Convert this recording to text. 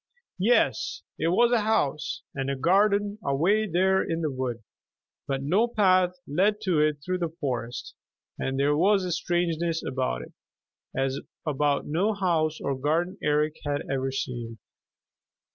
Yes, it was a house and a garden away there in the wood, but no path led to it through the forest, and there was a strangeness about it as about no house or garden Eric had ever seen.